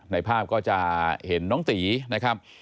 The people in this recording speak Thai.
ในภาพก็จะเห็นน้องตีนะครับ